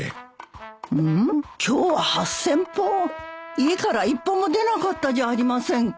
家から１歩も出なかったじゃありませんか。